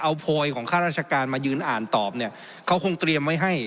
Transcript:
เอาโพยของข้าราชการมายืนอ่านตอบเนี่ยเขาคงเตรียมไว้ให้